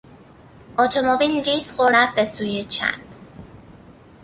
اتومبیل لیز خورد و رفت به سوی چپ.